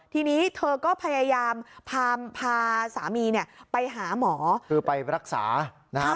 ทีนี้เธอก็พยายามพาสามีเนี่ยไปหาหมอคือไปรักษานะฮะ